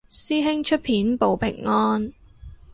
師兄出片報平安